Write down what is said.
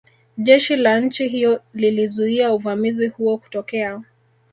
Jeshi la nchi hiyo lilizuia uvamizi huo kutokea